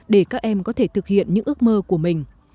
để các em có thể thực hiện những ước mơ của mình